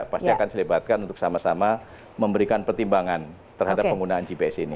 pasti akan saya libatkan untuk sama sama memberikan pertimbangan terhadap penggunaan gps ini